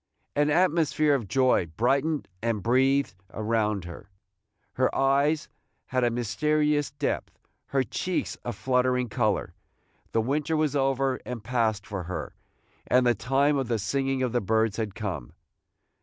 An atmosphere of joy brightened and breathed around her, her eyes had a mysterious depth, her cheeks a fluttering color. The winter was over and past for her, and the time of the singing of the birds had come.